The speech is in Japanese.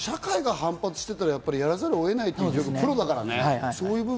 社会が反発してたら、やらざるを得ない、プロだからね。